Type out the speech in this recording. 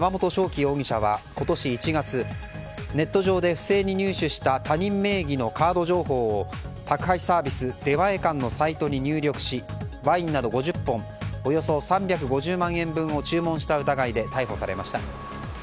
輝容疑者は今年１月ネット上で不正に入手した他人名義のカード情報を宅配サービス、出前館のサイトに入力しワインなど５０本およそ３５０万円分を注文した疑いで逮捕されました。